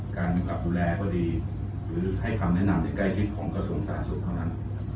กำกับดูแลก็ดีหรือให้คำแนะนำที่ใกล้ชิดของกระทรวงสาธารณสุขเท่านั้น